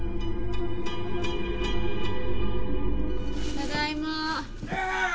ただいま。